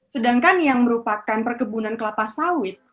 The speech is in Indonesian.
sedangkan yang merupakan perkebunan kelapa sawit